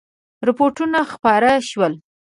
رپوټونه خپاره شول.